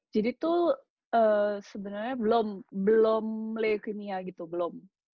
jadi itu sebenarnya belum leukimia gitu belum